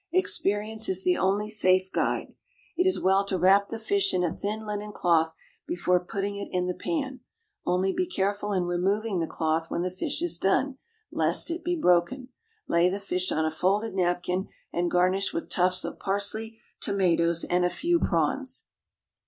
Experience is the only safe guide. It is well to wrap the fish in a thin linen cloth before putting it in the pan; only be careful in removing the cloth when the fish is done, lest it be broken. Lay the fish on a folded napkin, and garnish with tufts of parsley, tomatoes, and a few prawns.